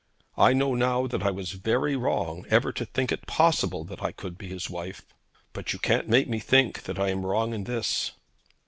I know now that I was very wrong ever to think it possible that I could be his wife. But you can't make me think that I am wrong in this.'